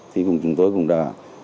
thì chúng tôi cũng đã